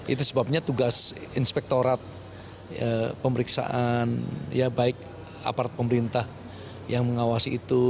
itu sebabnya tugas inspektorat pemeriksaan ya baik aparat pemerintah yang mengawasi itu